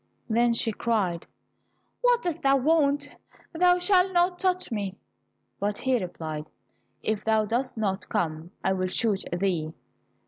Then she cried, "What dost thou want? Thou shalt not touch me." But he replied, "If thou dost not come, I will shoot thee."